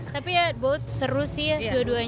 tapi ya bot seru sih ya dua duanya